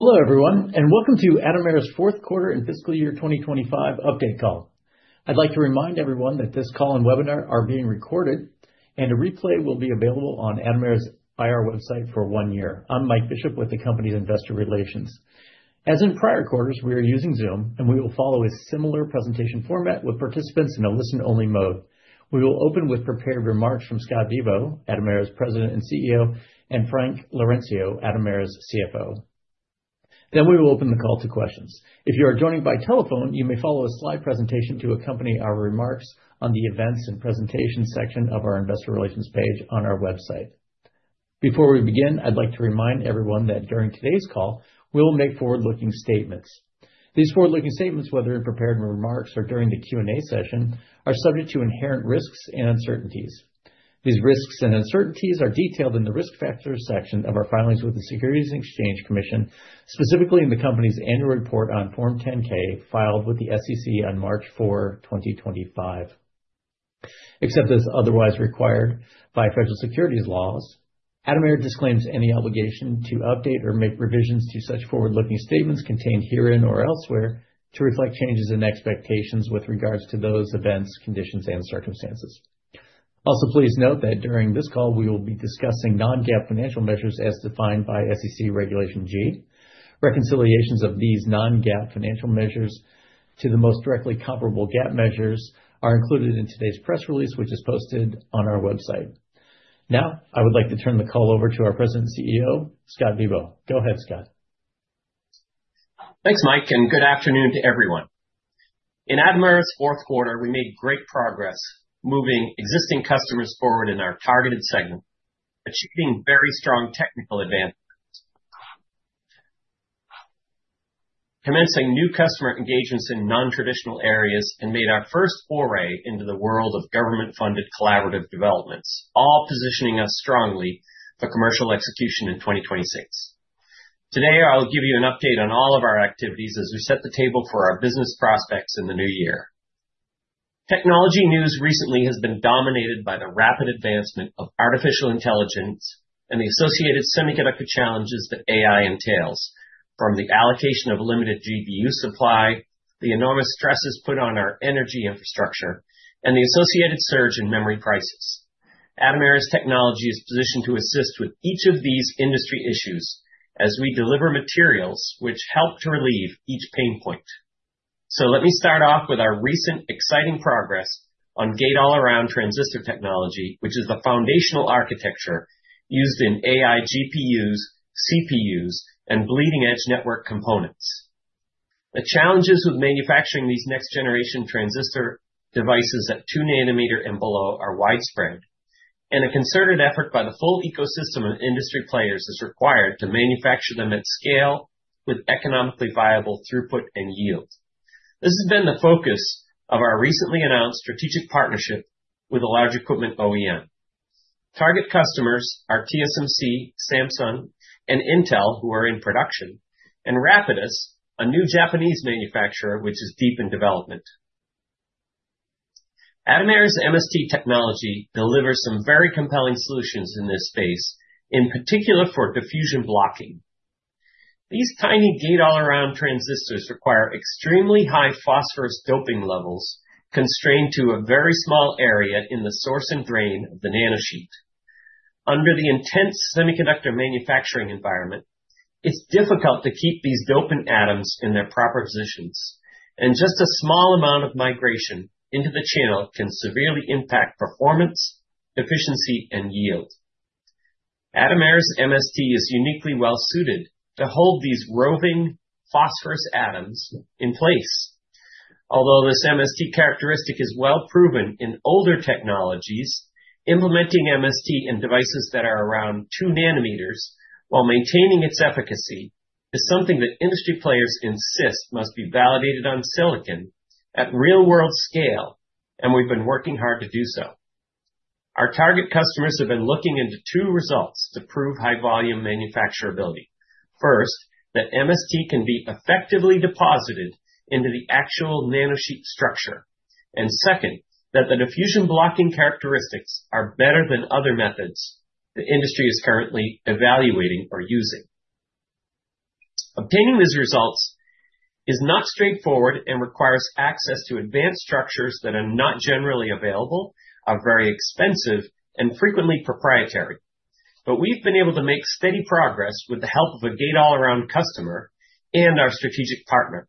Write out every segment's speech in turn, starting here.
Hello everyone, and welcome to Atomera's fourth quarter and fiscal year 2025 update call. I'd like to remind everyone that this call and webinar are being recorded, and a replay will be available on Atomera's IR website for one year. I'm Mike Bishop with the company's investor relations. As in prior quarters, we are using Zoom, and we will follow a similar presentation format with participants in a listen-only mode. We will open with prepared remarks from Scott Bibaud, Atomera's President and CEO, and Frank Laurencio, Atomera's CFO. Then we will open the call to questions. If you are joining by telephone, you may follow a slide presentation to accompany our remarks on the events and presentations section of our investor relations page on our website. Before we begin, I'd like to remind everyone that during today's call, we will make forward-looking statements. These forward-looking statements, whether in prepared remarks or during the Q&A session, are subject to inherent risks and uncertainties. These risks and uncertainties are detailed in the Risk Factors section of our filings with the Securities and Exchange Commission, specifically in the company's annual report on Form 10-K, filed with the SEC on March 4, 2025. Except as otherwise required by federal securities laws, Atomera disclaims any obligation to update or make revisions to such forward-looking statements contained herein or elsewhere, to reflect changes in expectations with regards to those events, conditions, and circumstances. Also, please note that during this call, we will be discussing non-GAAP financial measures as defined by SEC Regulation G. Reconciliations of these non-GAAP financial measures to the most directly comparable GAAP measures are included in today's press release, which is posted on our website. Now, I would like to turn the call over to our President and CEO, Scott Bibaud. Go ahead, Scott. Thanks, Mike, and good afternoon to everyone. In Atomera's fourth quarter, we made great progress moving existing customers forward in our targeted segment, achieving very strong technical advantages. Commencing new customer engagements in non-traditional areas, and made our first foray into the world of government-funded collaborative developments, all positioning us strongly for commercial execution in 2026. Today, I'll give you an update on all of our activities as we set the table for our business prospects in the new year. Technology news recently has been dominated by the rapid advancement of artificial intelligence and the associated semiconductor challenges that AI entails. From the allocation of limited GPU supply, the enormous stresses put on our energy infrastructure, and the associated surge in memory prices. Atomera's technology is positioned to assist with each of these industry issues as we deliver materials which help to relieve each pain point. So let me start off with our recent exciting progress on Gate-All-Around transistor technology, which is the foundational architecture used in AI, GPUs, CPUs, and bleeding-edge network components. The challenges with manufacturing these next generation transistor devices at 2 nanometer and below are widespread, and a concerted effort by the whole ecosystem of industry players is required to manufacture them at scale with economically viable throughput and yield. This has been the focus of our recently announced strategic partnership with a large equipment OEM. Target customers are TSMC, Samsung, and Intel, who are in production, and Rapidus, a new Japanese manufacturer, which is deep in development. Atomera's MST technology delivers some very compelling solutions in this space, in particular for diffusion blocking. These tiny Gate-All-Around transistors require extremely high phosphorus doping levels, constrained to a very small area in the source and drain of the nanosheet. Under the intense semiconductor manufacturing environment, it's difficult to keep these dopant atoms in their proper positions, and just a small amount of migration into the channel can severely impact performance, efficiency, and yield. Atomera's MST is uniquely well suited to hold these roving phosphorus atoms in place. Although this MST characteristic is well proven in older technologies, implementing MST in devices that are around 2 nanometers while maintaining its efficacy, is something that industry players insist must be validated on silicon at real-world scale, and we've been working hard to do so. Our target customers have been looking into 2 results to prove high volume manufacturability. First, that MST can be effectively deposited into the actual nanosheet structure, and second, that the diffusion blocking characteristics are better than other methods the industry is currently evaluating or using. Obtaining these results is not straightforward and requires access to advanced structures that are not generally available, are very expensive, and frequently proprietary. But we've been able to make steady progress with the help of a Gate-All-Around customer and our strategic partner.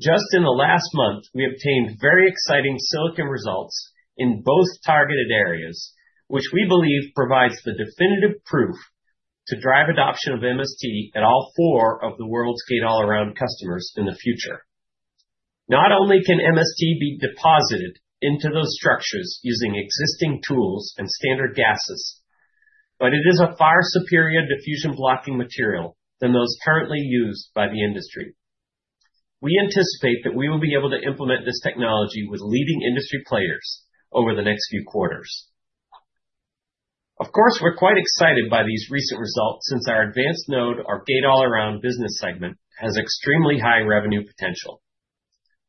Just in the last month, we obtained very exciting silicon results in both targeted areas, which we believe provides the definitive proof to drive adoption of MST at all four of the world's Gate-All-Around customers in the future. Not only can MST be deposited into those structures using existing tools and standard gases, but it is a far superior diffusion blocking material than those currently used by the industry. We anticipate that we will be able to implement this technology with leading industry players over the next few quarters. Of course, we're quite excited by these recent results since our advanced node, our Gate-All-Around business segment, has extremely high revenue potential.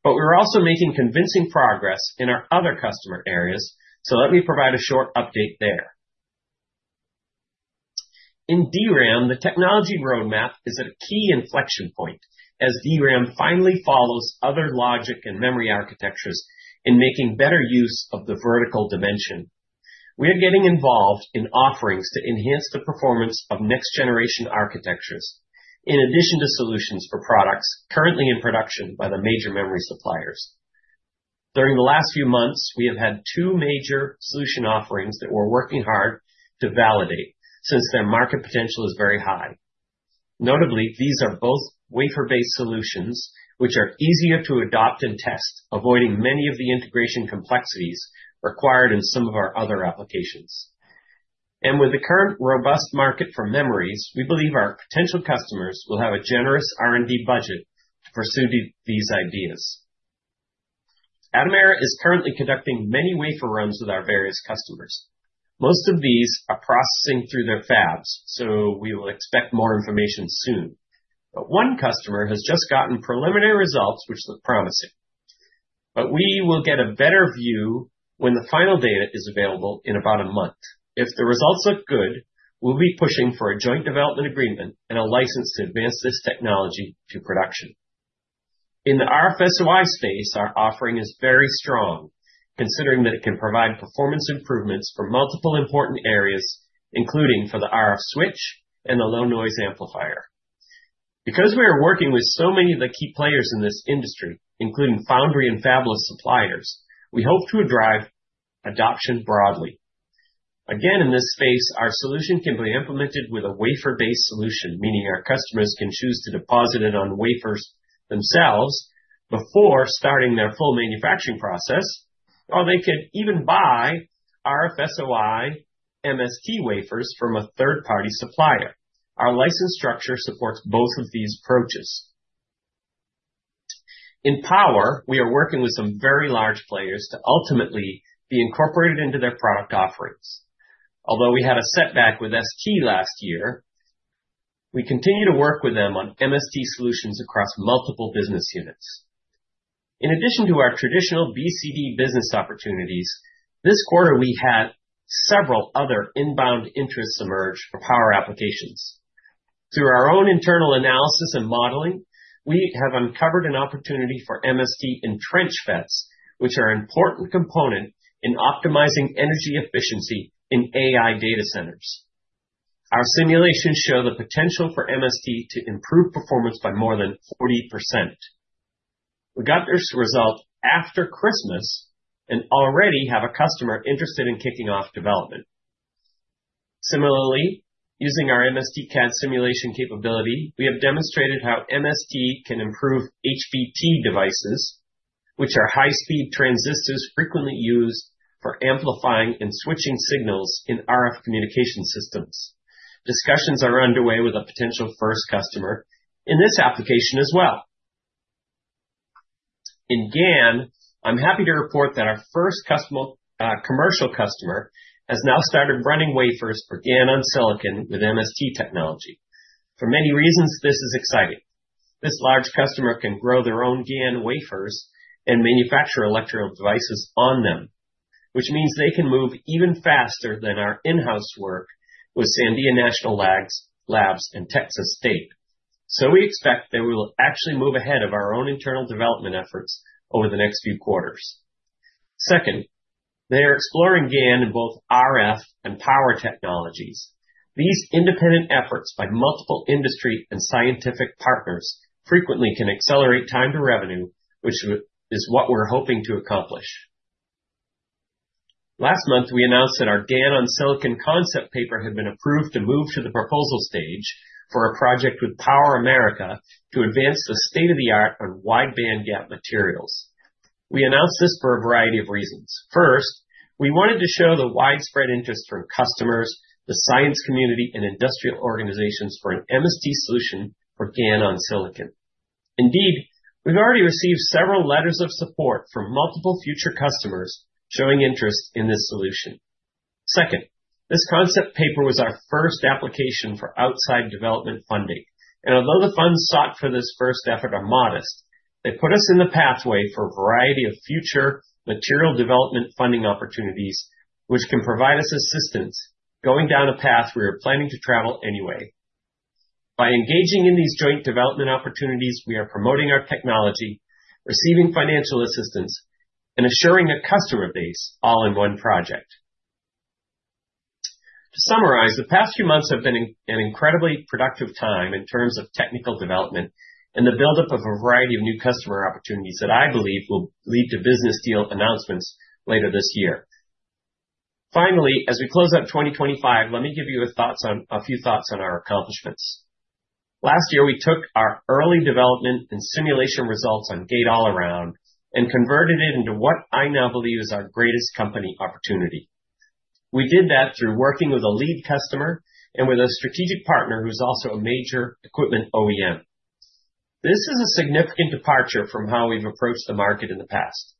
But we're also making convincing progress in our other customer areas, so let me provide a short update there. In DRAM, the technology roadmap is at a key inflection point, as DRAM finally follows other logic and memory architectures in making better use of the vertical dimension. We are getting involved in offerings to enhance the performance of next generation architectures, in addition to solutions for products currently in production by the major memory suppliers. During the last few months, we have had two major solution offerings that we're working hard to validate, since their market potential is very high. Notably, these are both wafer-based solutions, which are easier to adopt and test, avoiding many of the integration complexities required in some of our other applications. With the current robust market for memories, we believe our potential customers will have a generous R&D budget to pursue these ideas. Atomera is currently conducting many wafer runs with our various customers. Most of these are processing through their fabs, so we will expect more information soon. But one customer has just gotten preliminary results, which look promising. But we will get a better view when the final data is available in about a month. If the results look good, we'll be pushing for a joint development agreement and a license to advance this technology to production. In the RF SOI space, our offering is very strong, considering that it can provide performance improvements for multiple important areas, including for the RF switch and the low noise amplifier. Because we are working with so many of the key players in this industry, including foundry and fabless suppliers, we hope to drive adoption broadly. Again, in this space, our solution can be implemented with a wafer-based solution, meaning our customers can choose to deposit it on wafers themselves before starting their full manufacturing process, or they could even buy RF SOI MST wafers from a third-party supplier. Our license structure supports both of these approaches. In power, we are working with some very large players to ultimately be incorporated into their product offerings. Although we had a setback with ST last year, we continue to work with them on MST solutions across multiple business units. In addition to our traditional BCD business opportunities, this quarter, we had several other inbound interests emerge for power applications. Through our own internal analysis and modeling, we have uncovered an opportunity for MST in trench FETs, which are an important component in optimizing energy efficiency in AI data centers. Our simulations show the potential for MST to improve performance by more than 40%. We got this result after Christmas and already have a customer interested in kicking off development. Similarly, using our MSTcad simulation capability, we have demonstrated how MST can improve HBT devices, which are high-speed transistors frequently used for amplifying and switching signals in RF communication systems. Discussions are underway with a potential first customer in this application as well. In GaN, I'm happy to report that our first customer, commercial customer, has now started running wafers for GaN-on-silicon with MST technology. For many reasons, this is exciting. This large customer can grow their own GaN wafers and manufacture electrical devices on them, which means they can move even faster than our in-house work with Sandia National Labs, and Texas State. So we expect that we will actually move ahead of our own internal development efforts over the next few quarters. Second, they are exploring GaN in both RF and power technologies. These independent efforts by multiple industry and scientific partners frequently can accelerate time to revenue, which is what we're hoping to accomplish. Last month, we announced that our GaN-on-silicon concept paper had been approved to move to the proposal stage for a project with PowerAmerica, to advance the state-of-the-art on wide bandgap materials. We announced this for a variety of reasons. First, we wanted to show the widespread interest from customers, the science community, and industrial organizations for an MST solution for GaN-on-silicon. Indeed, we've already received several letters of support from multiple future customers showing interest in this solution. Second, this concept paper was our first application for outside development funding, and although the funds sought for this first effort are modest, they put us in the pathway for a variety of future material development funding opportunities, which can provide us assistance going down a path we are planning to travel anyway. By engaging in these joint development opportunities, we are promoting our technology, receiving financial assistance, and assuring a customer base all in one project. To summarize, the past few months have been an incredibly productive time in terms of technical development and the buildup of a variety of new customer opportunities that I believe will lead to business deal announcements later this year. Finally, as we close out 2025, let me give you a few thoughts on our accomplishments. Last year, we took our early development and simulation results on Gate-All-Around and converted it into what I now believe is our greatest company opportunity. We did that through working with a lead customer and with a strategic partner who's also a major equipment OEM. This is a significant departure from how we've approached the market in the past.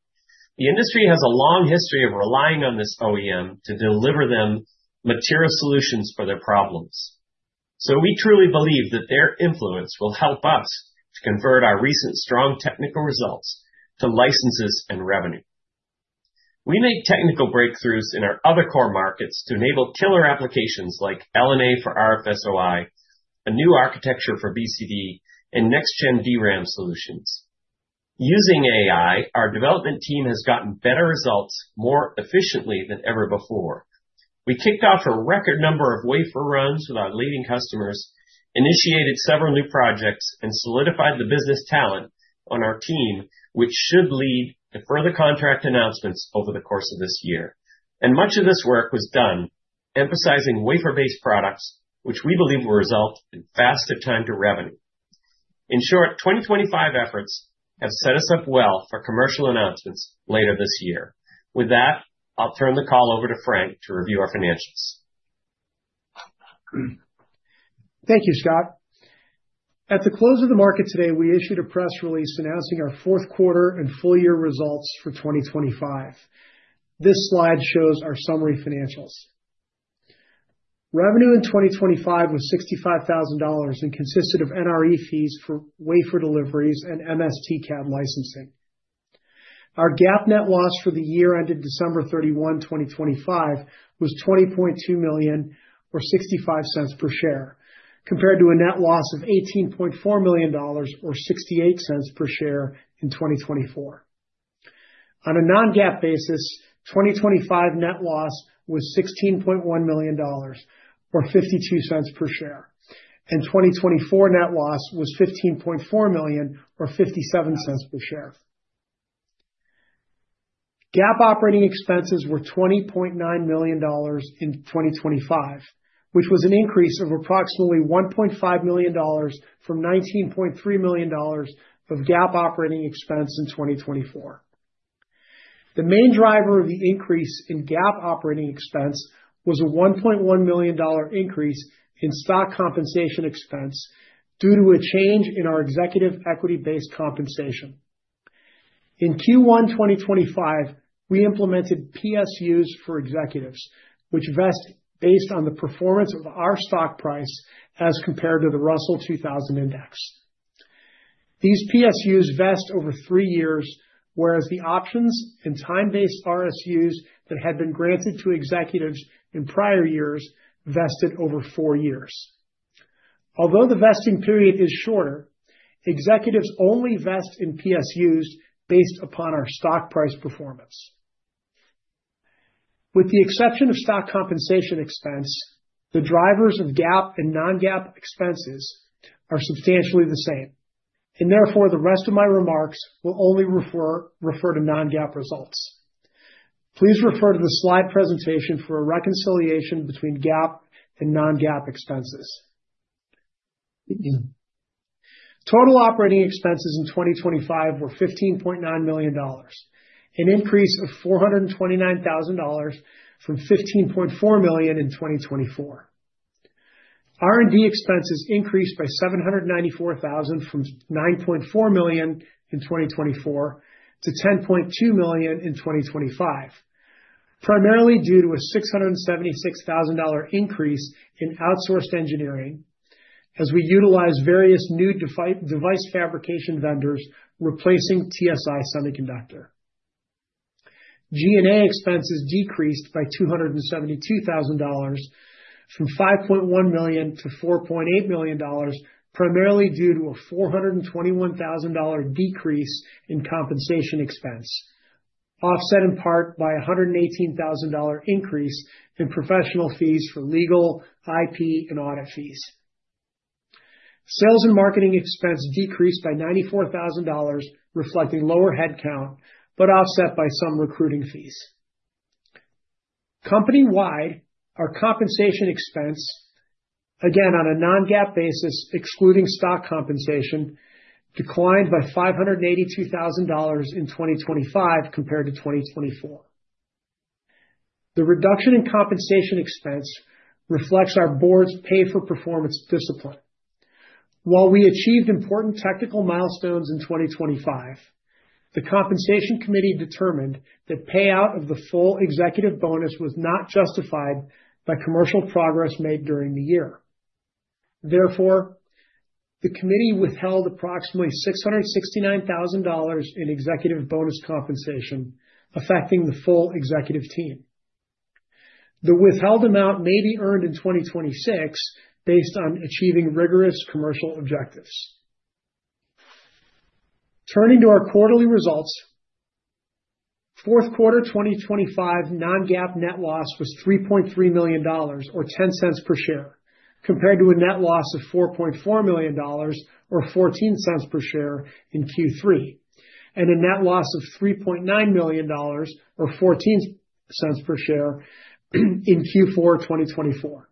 The industry has a long history of relying on this OEM to deliver them material solutions for their problems. So we truly believe that their influence will help us to convert our recent strong technical results to licenses and revenue. We made technical breakthroughs in our other core markets to enable killer applications like LNA for RF SOI, a new architecture for BCD, and next-gen DRAM solutions. Using AI, our development team has gotten better results more efficiently than ever before. We kicked off a record number of wafer runs with our leading customers, initiated several new projects, and solidified the business talent on our team, which should lead to further contract announcements over the course of this year. Much of this work was done emphasizing wafer-based products, which we believe will result in faster time to revenue. In short, 2025 efforts have set us up well for commercial announcements later this year. With that, I'll turn the call over to Frank to review our financials. Thank you, Scott. At the close of the market today, we issued a press release announcing our fourth quarter and full year results for 2025. This slide shows our summary financials. Revenue in 2025 was $65,000 and consisted of NRE fees for wafer deliveries and MSTcad licensing. Our GAAP net loss for the year ended December 31, 2025, was $20.2 million, or $0.65 per share, compared to a net loss of $18.4 million, or $0.68 per share in 2024. On a non-GAAP basis, 2025 net loss was $16.1 million, or $0.52 per share, and 2024 net loss was $15.4 million, or $0.57 per share. GAAP operating expenses were $20.9 million in 2025, which was an increase of approximately $1.5 million from $19.3 million of GAAP operating expense in 2024. The main driver of the increase in GAAP operating expense was a $1.1 million increase in stock compensation expense due to a change in our executive equity-based compensation. In Q1 2025, we implemented PSUs for executives, which vest based on the performance of our stock price as compared to the Russell 2000 Index. These PSUs vest over three years, whereas the options and time-based RSUs that had been granted to executives in prior years vested over four years. Although the vesting period is shorter, executives only vest in PSUs based upon our stock price performance. With the exception of stock compensation expense, the drivers of GAAP and non-GAAP expenses are substantially the same, and therefore the rest of my remarks will only refer to non-GAAP results. Please refer to the slide presentation for a reconciliation between GAAP and non-GAAP expenses. Total operating expenses in 2025 were $15.9 million, an increase of $429,000 from $15.4 million in 2024. R&D expenses increased by $794,000, from $9.4 million in 2024 to $10.2 million in 2025, primarily due to a $676,000 increase in outsourced engineering as we utilize various new device fabrication vendors, replacing TSI Semiconductors. GaN expenses decreased by $272,000, from $5.1 million to $4.8 million, primarily due to a $421,000 decrease in compensation expense, offset in part by a $118,000 increase in professional fees for legal, IP, and audit fees. Sales and marketing expense decreased by $94,000, reflecting lower headcount, but offset by some recruiting fees. Company-wide, our compensation expense, again, on a non-GAAP basis, excluding stock compensation, declined by $582,000 in 2025 compared to 2024. The reduction in compensation expense reflects our board's pay for performance discipline. While we achieved important technical milestones in 2025, the compensation committee determined that payout of the full executive bonus was not justified by commercial progress made during the year. Therefore, the committee withheld approximately $669,000 in executive bonus compensation, affecting the full executive team. The withheld amount may be earned in 2026 based on achieving rigorous commercial objectives. Turning to our quarterly results. Fourth quarter 2025 non-GAAP net loss was $3.3 million, or $0.10 per share, compared to a net loss of $4.4 million, or $0.14 per share in Q3, and a net loss of $3.9 million, or $0.14 per share, in Q4 2024.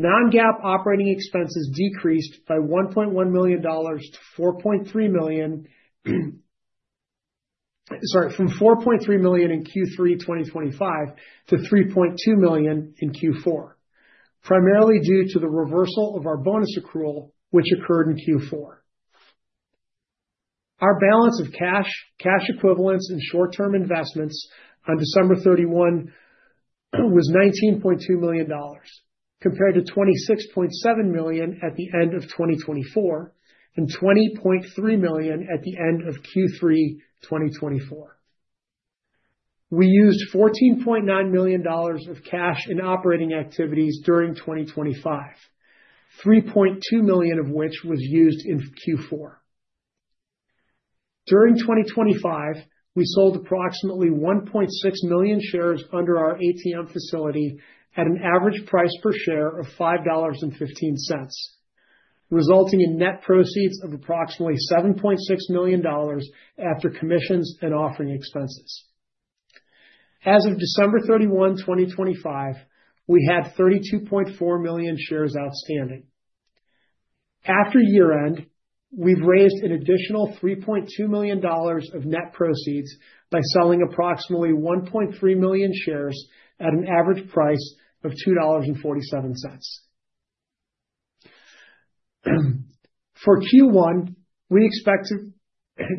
Non-GAAP operating expenses decreased by $1.1 million to $4.3 million. Sorry, from $4.3 million in Q3 2025 to $3.2 million in Q4, primarily due to the reversal of our bonus accrual, which occurred in Q4. Our balance of cash, cash equivalents, and short-term investments on December 31 was $19.2 million, compared to $26.7 million at the end of 2024, and $20.3 million at the end of Q3 2024. We used $14.9 million of cash in operating activities during 2025, $3.2 million of which was used in Q4. During 2025, we sold approximately 1.6 million shares under our ATM facility at an average price per share of $5.15, resulting in net proceeds of approximately $7.6 million after commissions and offering expenses. As of December 31, 2025, we had 32.4 million shares outstanding. After year-end, we've raised an additional $3.2 million of net proceeds by selling approximately 1.3 million shares at an average price of $2.47. For Q1, we expect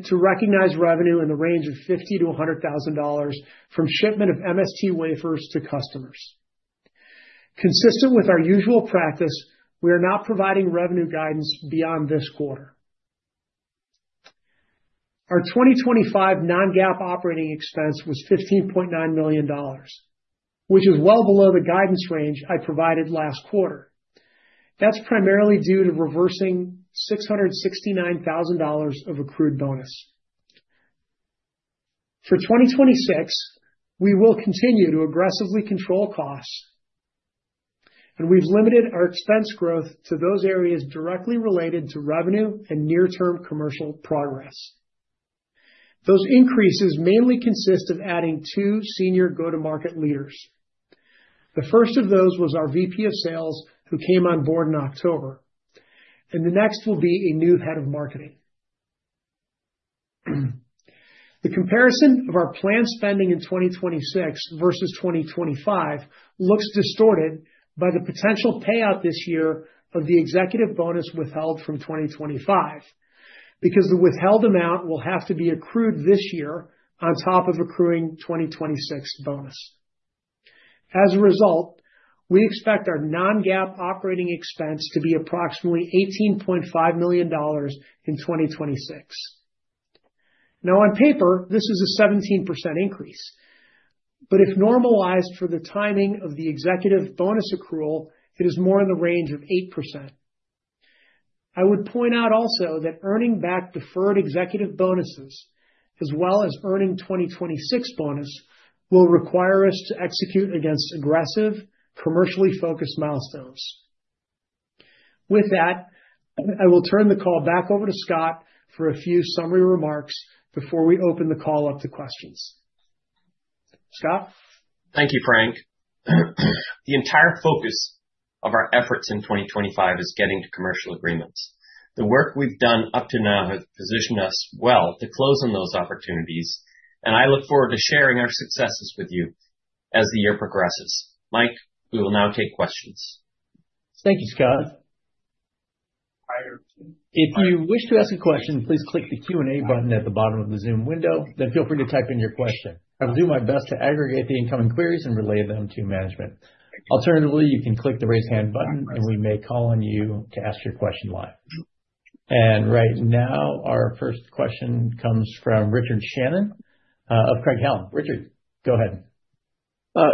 to recognize revenue in the range of $50,000-$100,000 from shipment of MST wafers to customers. Consistent with our usual practice, we are not providing revenue guidance beyond this quarter. Our 2025 non-GAAP operating expense was $15.9 million, which is well below the guidance range I provided last quarter. That's primarily due to reversing $669,000 of accrued bonus. For 2026, we will continue to aggressively control costs, and we've limited our expense growth to those areas directly related to revenue and near-term commercial progress. Those increases mainly consist of adding two senior go-to-market leaders. The first of those was our VP of sales, who came on board in October, and the next will be a new head of marketing. The comparison of our planned spending in 2026 versus 2025 looks distorted by the potential payout this year of the executive bonus withheld from 2025, because the withheld amount will have to be accrued this year on top of accruing 2026 bonus. As a result, we expect our non-GAAP operating expense to be approximately $18.5 million in 2026. Now, on paper, this is a 17% increase, but if normalized for the timing of the executive bonus accrual, it is more in the range of 8%. I would point out also that earning back deferred executive bonuses, as well as earning 2026 bonus, will require us to execute against aggressive, commercially focused milestones. With that, I will turn the call back over to Scott for a few summary remarks before we open the call up to questions. Scott? Thank you, Frank. The entire focus of our efforts in 2025 is getting to commercial agreements. The work we've done up to now has positioned us well to close on those opportunities, and I look forward to sharing our successes with you as the year progresses. Mike, we will now take questions. Thank you, Scott. If you wish to ask a question, please click the Q&A button at the bottom of the Zoom window, then feel free to type in your question. I will do my best to aggregate the incoming queries and relay them to management. Alternatively, you can click the Raise Hand button, and we may call on you to ask your question live. Right now, our first question comes from Richard Shannon of Craig-Hallum. Richard, go ahead.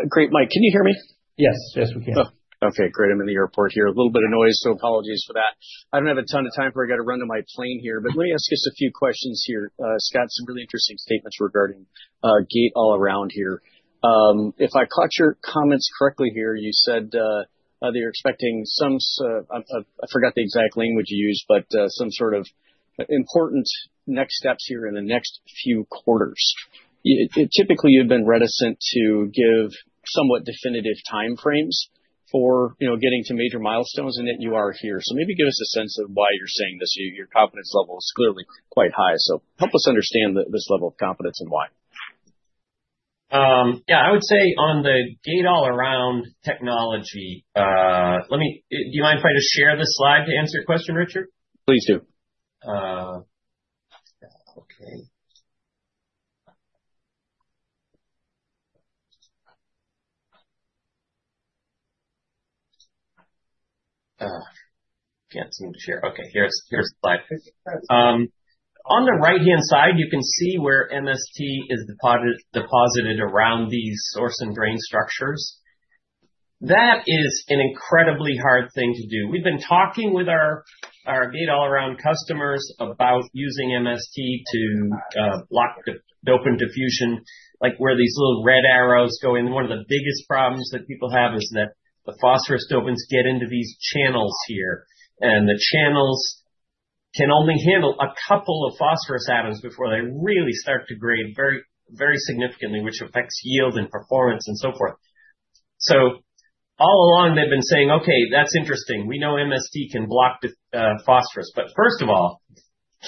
Great, Mike, can you hear me? Yes. Yes, we can. Oh, okay, great. I'm in the airport here. A little bit of noise, so apologies for that. I don't have a ton of time for I've got to run to my plane here, but let me ask just a few questions here. Scott, some really interesting statements regarding gate all around here. If I caught your comments correctly here, you said that you're expecting some sort of important next steps here in the next few quarters. Typically, you've been reticent to give somewhat definitive time frames for, you know, getting to major milestones, and yet you are here. So maybe give us a sense of why you're saying this. Your confidence level is clearly quite high, so help us understand this level of confidence and why. Yeah, I would say on the Gate-All-Around technology, let me... Do you mind if I just share this slide to answer your question, Richard? Please do. Okay, can't seem to share. Okay, here's the slide. On the right-hand side, you can see where MST is deposited around these source and drain structures. That is an incredibly hard thing to do. We've been talking with our gate-all-around customers about using MST to block dopant diffusion, like where these little red arrows go in. One of the biggest problems that people have is that the phosphorus dopants get into these channels here, and the channels can only handle a couple of phosphorus atoms before they really start to grade very, very significantly, which affects yield and performance and so forth. So all along, they've been saying: "Okay, that's interesting. We know MST can block phosphorus, but first of all,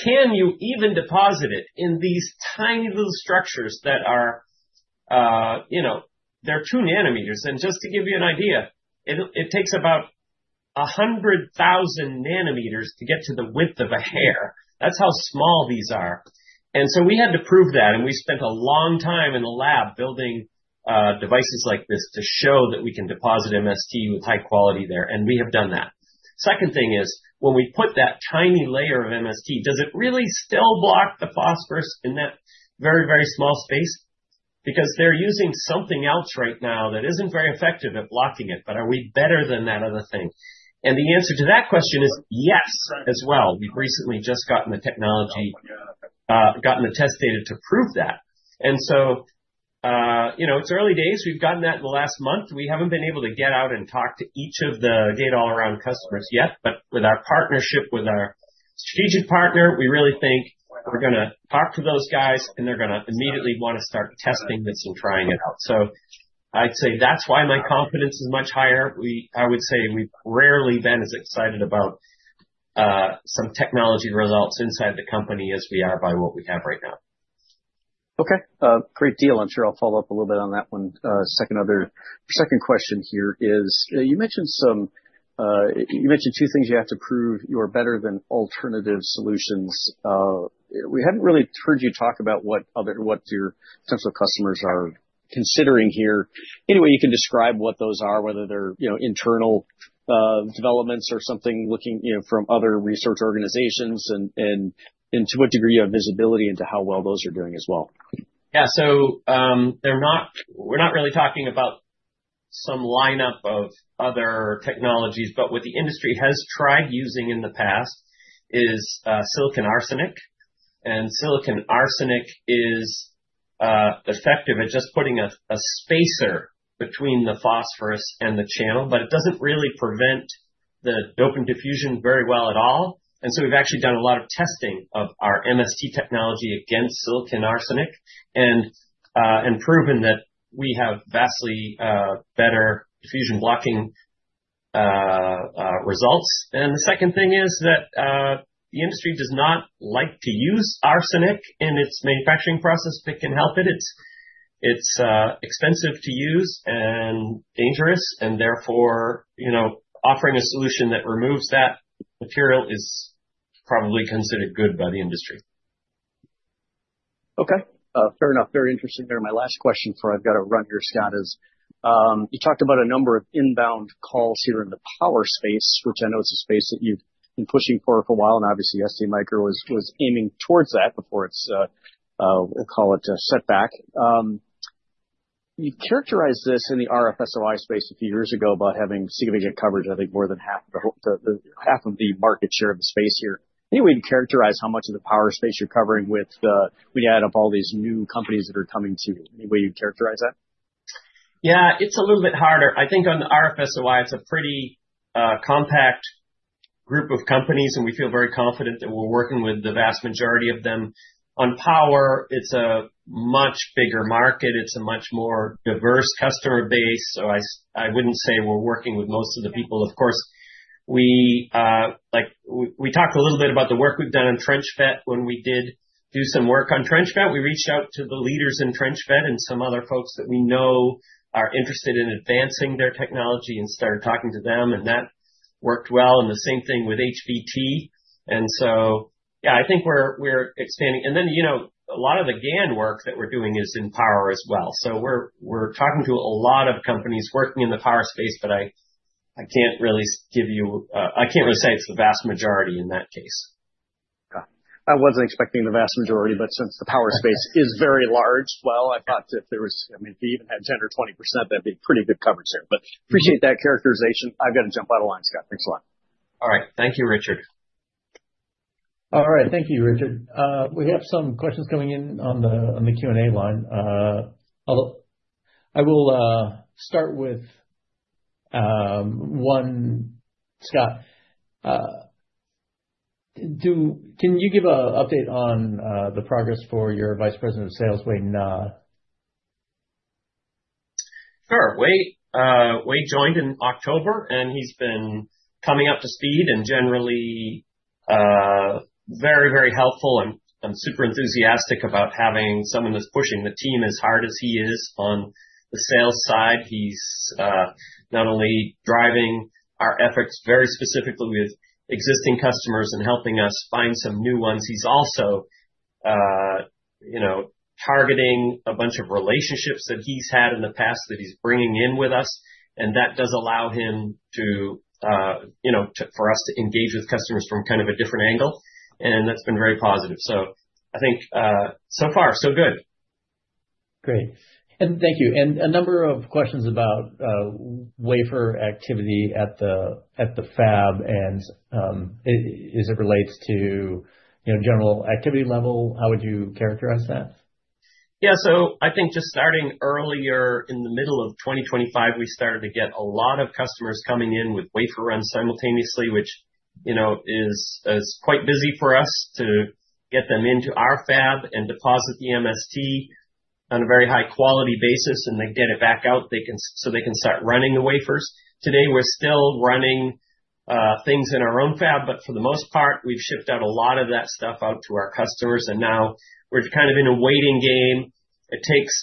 can you even deposit it in these tiny little structures that are you know, they're two nanometers. And just to give you an idea, it takes about 100,000 nanometers to get to the width of a hair. That's how small these are. And so we had to prove that, and we spent a long time in the lab building devices like this to show that we can deposit MST with high quality there, and we have done that. Second thing is, when we put that tiny layer of MST, does it really still block the phosphorus in that very, very small space? Because they're using something else right now that isn't very effective at blocking it, but are we better than that other thing? And the answer to that question is yes, as well. We've recently just gotten the technology, gotten the test data to prove that. And so, you know, it's early days. We've gotten that in the last month. We haven't been able to get out and talk to each of the Gate-All-Around customers yet, but with our partnership with our strategic partner, we really think we're gonna talk to those guys, and they're gonna immediately wanna start testing this and trying it out. So I'd say that's why my confidence is much higher. We—I would say we've rarely been as excited about some technology results inside the company as we are by what we have right now. Okay. Great deal. I'm sure I'll follow up a little bit on that one. Second question here is, you mentioned some, you mentioned two things you have to prove you're better than alternative solutions. We haven't really heard you talk about what other, what your potential customers are considering here. Any way you can describe what those are, whether they're, you know, internal developments or something looking, you know, from other research organizations? And to what degree you have visibility into how well those are doing as well. Yeah. So, they're not, we're not really talking about some lineup of other technologies, but what the industry has tried using in the past is Silicon Arsenic. And Silicon Arsenic is effective at just putting a spacer between the phosphorus and the channel, but it doesn't really prevent the dopant diffusion very well at all. And so we've actually done a lot of testing of our MST technology against Silicon Arsenic and proven that we have vastly better diffusion blocking results. And the second thing is that the industry does not like to use arsenic in its manufacturing process if it can help it. It's expensive to use and dangerous, and therefore, you know, offering a solution that removes that material is probably considered good by the industry. Okay, fair enough. Very interesting there. My last question before I've got to run here, Scott, is you talked about a number of inbound calls here in the power space, which I know is a space that you've been pushing for for a while, and obviously ST was aiming towards that before its call it a setback. You characterized this in the RF SOI space a few years ago about having significant coverage, I think more than half the whole, half of the market share of the space here. Any way you'd characterize how much of the power space you're covering with the... When you add up all these new companies that are coming to you, any way you'd characterize that? Yeah, it's a little bit harder. I think on the RF SOI, it's a pretty compact group of companies, and we feel very confident that we're working with the vast majority of them. On power, it's a much bigger market. It's a much more diverse customer base, so I wouldn't say we're working with most of the people. Of course, like, we talked a little bit about the work we've done on Trench FET. When we did do some work on Trench FET, we reached out to the leaders in Trench FET and some other folks that we know are interested in advancing their technology and started talking to them, and that worked well, and the same thing with HBT. And so, yeah, I think we're expanding. And then, you know, a lot of the GaN work that we're doing is in power as well. So we're talking to a lot of companies working in the power space, but I can't really give you. I can't really say it's the vast majority in that case. Got it. I wasn't expecting the vast majority, but since the power space is very large, well, I thought if there was... I mean, if we even had 10% or 20%, that'd be pretty good coverage there. But appreciate that characterization. I've got to jump out of line, Scott. Thanks a lot. All right. Thank you, Richard. All right. Thank you, Richard. We have some questions coming in on the Q&A line. I'll start with one. Scott, can you give an update on the progress for your Vice President of Sales, Wei Na? Sure. Wade, Wade joined in October, and he's been coming up to speed and generally, very, very helpful, and I'm super enthusiastic about having someone that's pushing the team as hard as he is on the sales side. He's, not only driving our efforts very specifically with existing customers and helping us find some new ones, he's also, you know, targeting a bunch of relationships that he's had in the past that he's bringing in with us, and that does allow him to, you know, for us to engage with customers from kind of a different angle, and that's been very positive. So I think, so far, so good. Great. Thank you. A number of questions about wafer activity at the fab and as it relates to, you know, general activity level. How would you characterize that? Yeah. So I think just starting earlier in the middle of 2025, we started to get a lot of customers coming in with wafer runs simultaneously, which, you know, is quite busy for us to get them into our fab and deposit the MST on a very high quality basis and then get it back out. So they can start running the wafers. Today, we're still running things in our own fab, but for the most part, we've shipped out a lot of that stuff out to our customers, and now we're kind of in a waiting game. It takes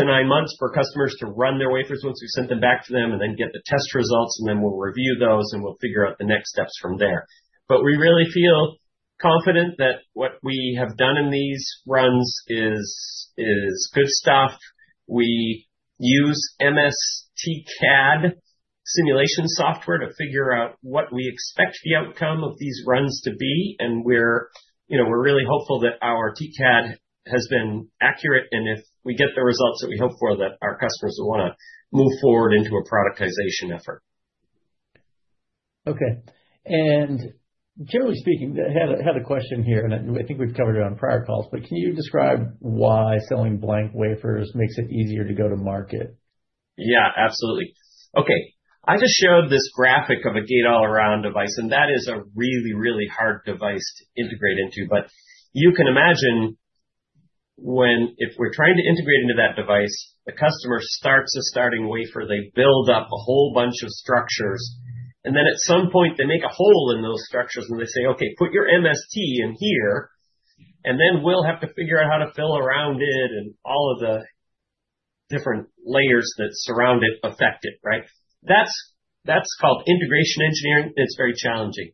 6-9 months for customers to run their wafers once we've sent them back to them, and then get the test results, and then we'll review those, and we'll figure out the next steps from there. But we really feel confident that what we have done in these runs is good stuff. We use MSTcad simulation software to figure out what we expect the outcome of these runs to be, and we're, you know, we're really hopeful that our TCAD has been accurate, and if we get the results that we hope for, that our customers will wanna move forward into a productization effort. Okay. And generally speaking, I had a question here, and I think we've covered it on prior calls, but can you describe why selling blank wafers makes it easier to go to market? Yeah, absolutely. Okay, I just showed this graphic of a Gate-All-Around device, and that is a really, really hard device to integrate into. But you can imagine when—if we're trying to integrate into that device, the customer starts a starting wafer. They build up a whole bunch of structures, and then at some point, they make a hole in those structures, and they say, "Okay, put your MST in here," and then we'll have to figure out how to fill around it and all of the different layers that surround it, affect it, right? That's called integration engineering. It's very challenging.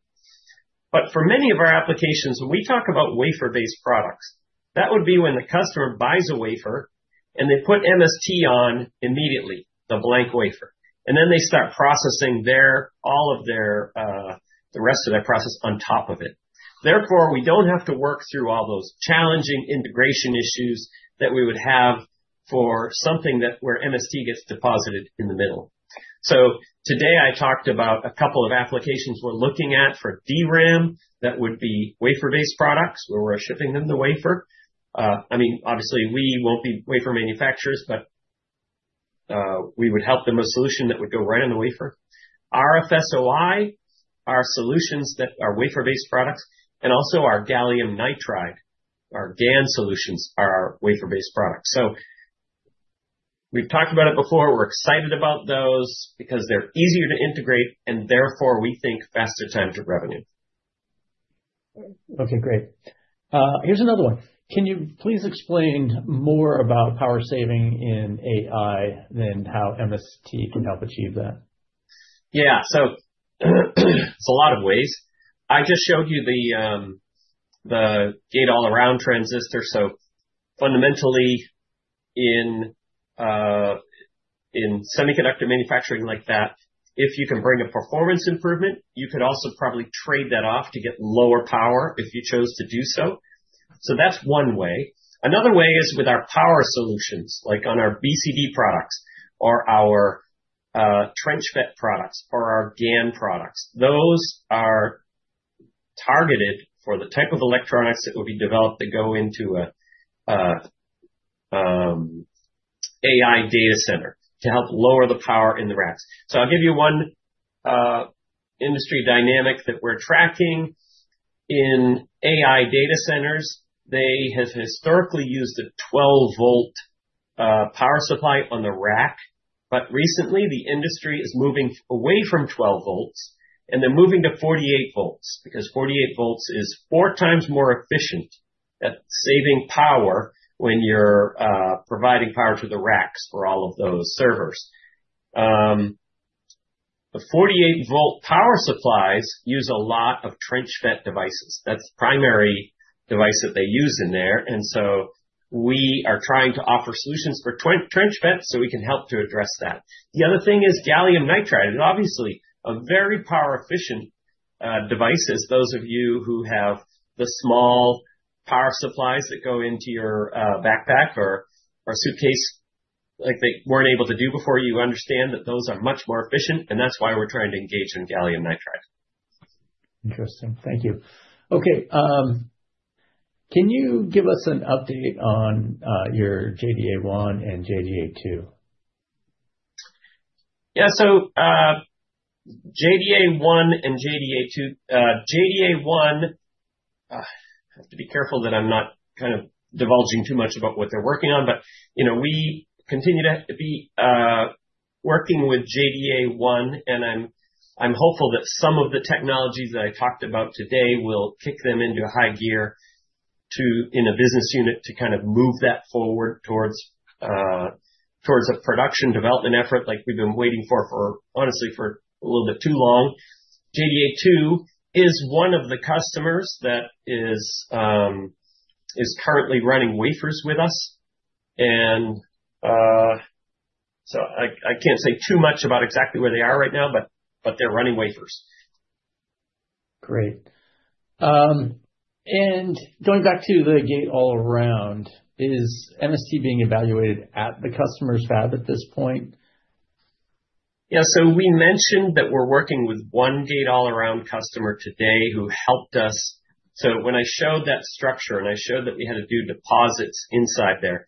But for many of our applications, when we talk about wafer-based products, that would be when the customer buys a wafer, and they put MST on immediately, the blank wafer, and then they start processing their all of their, the rest of their process on top of it. Therefore, we don't have to work through all those challenging integration issues that we would have for something that, where MST gets deposited in the middle. So today, I talked about a couple of applications we're looking at for DRAM that would be wafer-based products, where we're shipping them the wafer. I mean, obviously, we won't be wafer manufacturers, but, we would help them a solution that would go right on the wafer. RFSOI are solutions that are wafer-based products, and also our gallium nitride, our GaN solutions, are our wafer-based products. So we've talked about it before. We're excited about those because they're easier to integrate and therefore, we think, faster time to revenue. Okay, great. Here's another one. Can you please explain more about power saving in AI and how MST can help achieve that? Yeah. So it's a lot of ways. I just showed you the Gate-All-Around transistor. So fundamentally, in semiconductor manufacturing like that, if you can bring a performance improvement, you could also probably trade that off to get lower power if you chose to do so. So that's one way. Another way is with our power solutions, like on our BCD products or our trench FET products or our GaN products. Those are targeted for the type of electronics that will be developed to go into a AI data center to help lower the power in the racks. So I'll give you one industry dynamic that we're tracking. In AI data centers, they have historically used a 12-volt power supply on the rack, but recently, the industry is moving away from 12 volts, and they're moving to 48 volts, because 48 volts is four times more efficient at saving power when you're providing power to the racks for all of those servers. The 48-volt power supplies use a lot of Trench FET devices. That's the primary device that they use in there, and so we are trying to offer solutions for twin-Trench FETs, so we can help to address that. The other thing is gallium nitride, and obviously, a very power-efficient device. As those of you who have the small power supplies that go into your backpack or suitcase, like they weren't able to do before, you understand that those are much more efficient, and that's why we're trying to engage in gallium nitride. Interesting. Thank you. Okay, can you give us an update on, your JDA One and JDA Two? Yeah. So, JDA One and JDA Two. JDA One, I have to be careful that I'm not kind of divulging too much about what they're working on, but, you know, we continue to be working with JDA One, and I'm hopeful that some of the technologies that I talked about today will kick them into high gear to in a business unit, to kind of move that forward towards, towards a production development effort like we've been waiting for, for, honestly, for a little bit too long. JDA Two is one of the customers that is currently running wafers with us, and so I can't say too much about exactly where they are right now, but they're running wafers. Great. And going back to the Gate-All-Around, is MST being evaluated at the customer's fab at this point? Yeah. So we mentioned that we're working with one Gate-All-Around customer today who helped us. So when I showed that structure, and I showed that we had to do deposits inside there,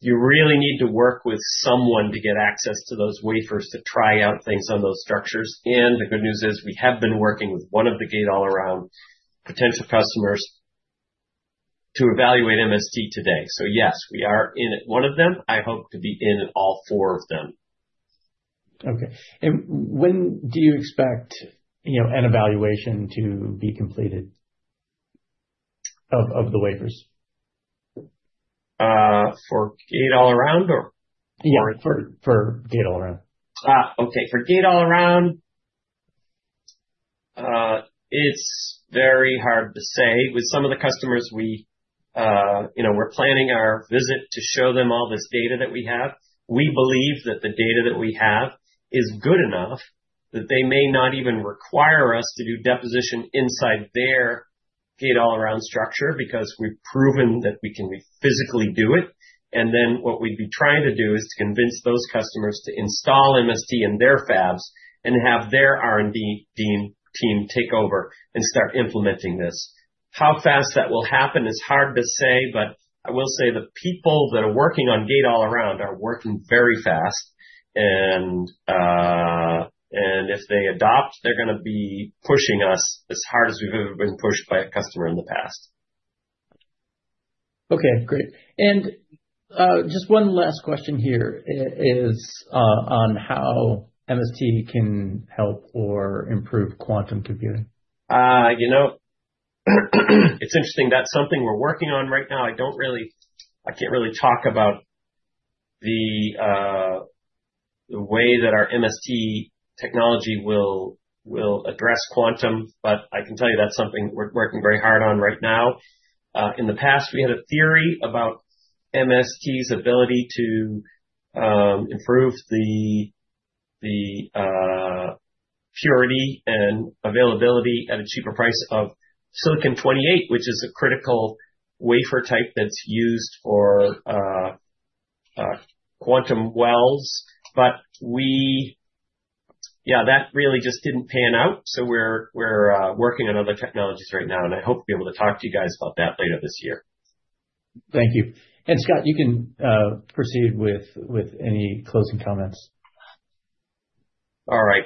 you really need to work with someone to get access to those wafers to try out things on those structures. And the good news is, we have been working with one of the Gate-All-Around potential customers... to evaluate MST today. So yes, we are in one of them. I hope to be in all four of them. Okay. When do you expect, you know, an evaluation to be completed of the wafers? For Gate-All-Around. Yeah, for Gate-All-Around. Okay. For Gate-All-Around, it's very hard to say. With some of the customers we, you know, we're planning our visit to show them all this data that we have. We believe that the data that we have is good enough that they may not even require us to do deposition inside their Gate-All-Around structure, because we've proven that we can physically do it. And then what we'd be trying to do is to convince those customers to install MST in their fabs and have their R&D team take over and start implementing this. How fast that will happen is hard to say, but I will say the people that are working on Gate-All-Around are working very fast. And, and if they adopt, they're gonna be pushing us as hard as we've ever been pushed by a customer in the past. Okay, great. And just one last question here is on how MST can help or improve quantum computing. You know, it's interesting. That's something we're working on right now. I don't really—I can't really talk about the way that our MST technology will address quantum, but I can tell you that's something we're working very hard on right now. In the past, we had a theory about MST's ability to improve the purity and availability at a cheaper price of Silicon-28, which is a critical wafer type that's used for quantum wells. But we... Yeah, that really just didn't pan out, so we're working on other technologies right now, and I hope to be able to talk to you guys about that later this year. Thank you. And, Scott, you can proceed with any closing comments. All right.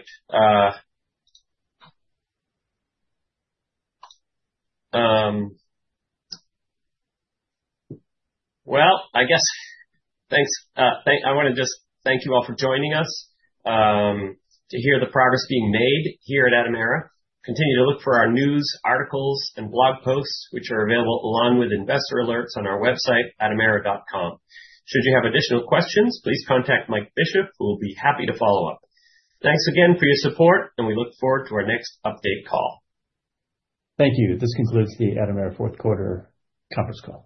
Well, I guess thanks, I wanna just thank you all for joining us, to hear the progress being made here at Atomera. Continue to look for our news, articles, and blog posts, which are available along with investor alerts on our website, atomera.com. Should you have additional questions, please contact Mike Bishop, who will be happy to follow up. Thanks again for your support, and we look forward to our next update call. Thank you. This concludes the Atomera fourth quarter conference call.